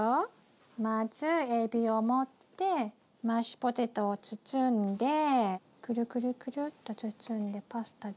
まずエビを持ってマッシュポテトを包んでクルクルクルッと包んでパスタで。